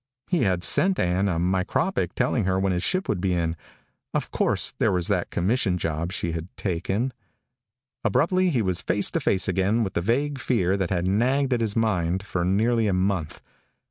He had sent Ann a micropic telling her when his ship would be in. Of course, there was that commission job she had taken Abruptly he was face to face again with the vague fear that had nagged at his mind for nearly a month.